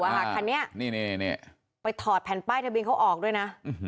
คันนี้ไปถอดแผ่นป้ายทะเบียนเขาออกด้วยนะ